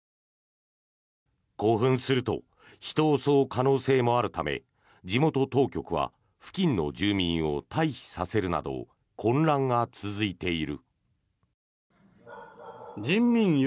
興奮すると人を襲う可能性もあるため地元当局は付近の住民を退避させるなど混乱が続いている。